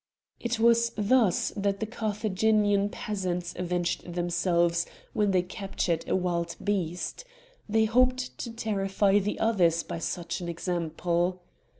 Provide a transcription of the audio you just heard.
It was thus that the Carthaginian peasants avenged themselves when they captured a wild beast; they hoped to terrify the others by such an example.